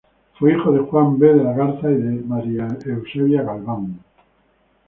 Fue hijo de Juan B. de la Garza y de María Eusebia Galván.